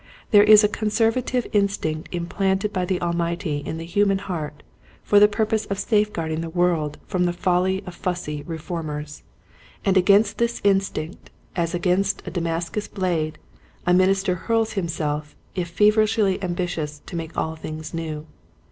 There is a conservative instinct implanted by the Almighty in the human heart for the pur pose of safe guarding the world from the folly of fussy reformers, and against this 40 Quiet Hints to Growing Preachers. instinct as against a Damascus blade a minister hurls himself if feverishly ambi tious to make all things new.